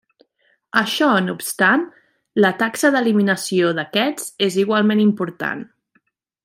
Això no obstant, la taxa d'eliminació d'aquests és igualment important.